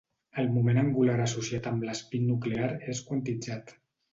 El moment angular associat amb l'espín nuclear és quantitzat.